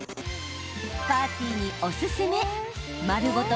パーティーにおすすめ丸ごと